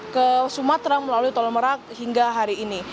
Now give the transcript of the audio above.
ke sumatera melalui tol merak hingga hari ini